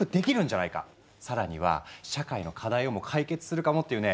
更には社会の課題をも解決するかもっていうね